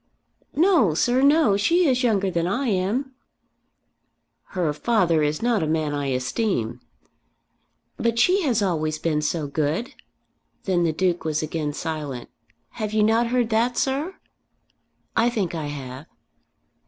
"No, sir; no; she is younger than I am." "Her father is not a man I esteem." "But she has always been so good!" Then the Duke was again silent. "Have you not heard that, sir?" "I think I have."